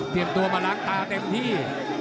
เตรียมตัวมาละกตาเต็มที่